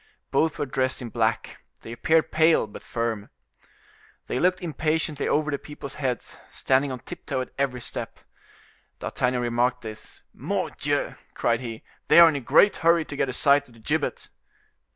Both were dressed in black; they appeared pale, but firm. They looked impatiently over the people's heads, standing on tip toe at every step. D'Artagnan remarked this. "Mordioux!" cried he, "they are in a great hurry to get a sight of the gibbet!"